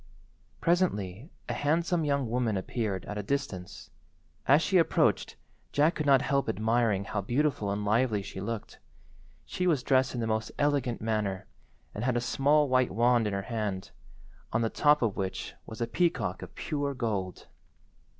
Presently a handsome young woman appeared at a distance. As she approached Jack could not help admiring how beautiful and lively she looked. She was dressed in the most elegant manner, and had a small white wand in her hand, on the top of which was a peacock of pure gold.